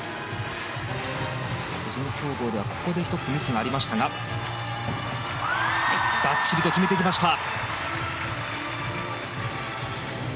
個人総合ではミスがありましたがばっちりと決めてきました。